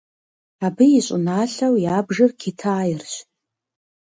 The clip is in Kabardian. Абы и щӏыналъэу ябжыр Китайрщ.